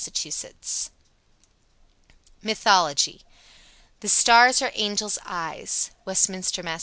_ MYTHOLOGY. 81. The stars are angels' eyes. _Westminster, Mass.